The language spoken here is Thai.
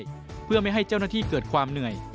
ซึ่งก็เป็นเรื่องที่สามารถบริหารจัดการได้